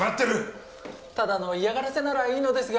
ただの嫌がらせならいいのですが。